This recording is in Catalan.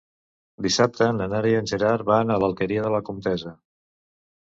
Dissabte na Nara i en Gerard van a l'Alqueria de la Comtessa.